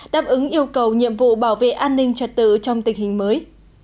đáp ứng yêu cầu nhiệm vụ bảo vệ an ninh trật tự trong tình hình mới